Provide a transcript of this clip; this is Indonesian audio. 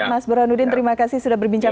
mas burhanuddin terima kasih sudah berbincang